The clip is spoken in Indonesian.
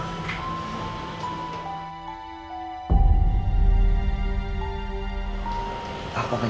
kenapa aku gak tenang